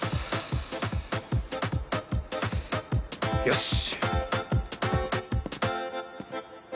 よし！